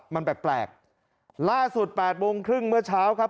มันแปลกล่าศูนย์แปดโมงครึ่งเมื่อเช้าครับ